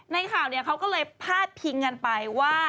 ข่าวเขาก็เลยพาดพิงกันไปว่า